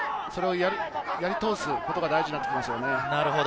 それをやり通すことが大事だと思います。